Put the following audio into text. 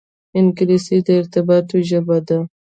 انګلیسي د ارتباطاتو ژبه ده